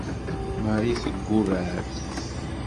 Marie teggurreɛ-d.